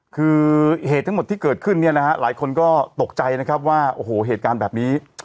คือเหตุทั้งหมดที่เกิดขึ้นเนี่ยนะฮะหลายคนก็ตกใจนะครับว่าโอ้โหเหตุการณ์แบบนี้